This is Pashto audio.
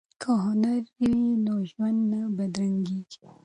که هنر وي نو ژوند نه بدرنګیږي.